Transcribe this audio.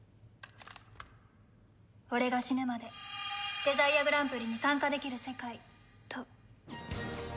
「俺が死ぬまでデザイアグランプリに参加できる世界」と。